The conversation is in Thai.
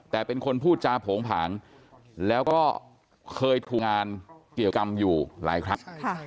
แต่เป็นคนพูดจาโผงผางแล้วก็เคยถูกงานเกี่ยวกรรมอยู่หลายครั้ง